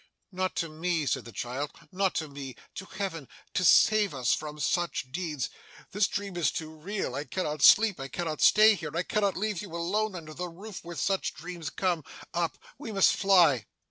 'Not to me,' said the child, 'not to me to Heaven, to save us from such deeds! This dream is too real. I cannot sleep, I cannot stay here, I cannot leave you alone under the roof where such dreams come. Up! We must fly.